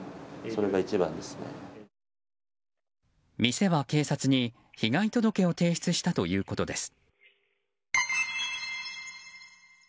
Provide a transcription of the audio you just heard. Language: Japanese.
店は警察に被害届を提出したということです。